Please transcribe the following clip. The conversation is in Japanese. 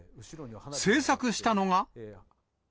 制作したのが。